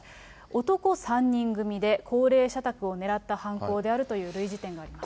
男３人組で、高齢者宅を狙った犯行であるという類似点があります。